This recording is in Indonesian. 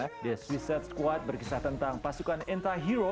the suicide squad berkisah tentang pasukan anti hero